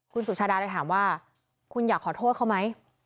คุณสุชาดาเลยถามว่าคุณอยากขอโทษเขาไหม